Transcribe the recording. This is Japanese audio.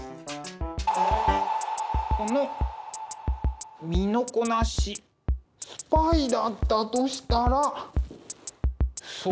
この身のこなしスパイだったとしたら相当な。